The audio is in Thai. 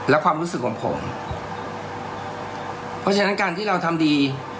และความรู้สึกของผมเพราะฉะนั้นการที่เราทำดี